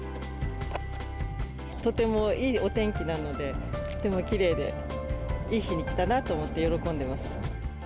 とてもいいお天気なので、とてもきれいで、いい日に来たなと思って喜んでます。